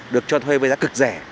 được cho thuê với giá cực rẻ